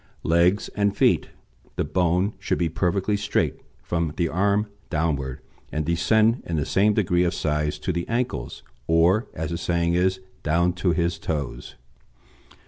LEGS AND FEET The bone should be perfectly straight from the arm downward, and descend in the same degree of size to the ankles, or, as the saying is, "down to his toes."